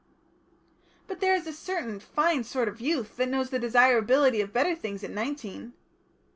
"But there is a certain fine sort of youth that knows the desirability of the better things at nineteen."